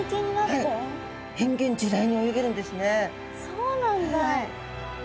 そうなんだ。